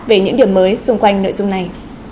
về những điểm mới xung quanh nội dung này